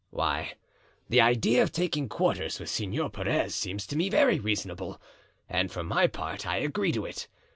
"Why, the idea of taking quarters with Senor Perez seems to me very reasonable, and for my part I agree to it.